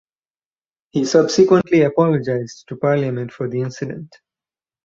He subsequently apologised to Parliament for the incident.